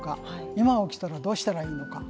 今起きたらどうしたらいいのか。